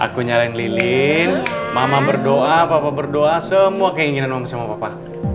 aku nyaleng lilin mama berdoa papa berdoa semua keinginan mama sama papa